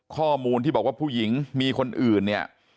ข้อมูลที่บอกว่าผู้หญิงมีคนอื่นเนี่ย